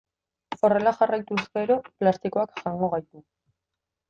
Horrela jarraituz gero plastikoak jango gaitu.